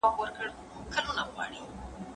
یوازې پر یوه خواړه تکیه سمه نه ده.